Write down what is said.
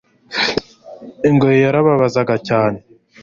ingoyi yarababazaga cyane